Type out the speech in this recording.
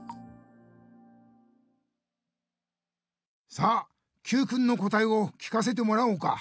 さあＱくんのこたえを聞かせてもらおうか。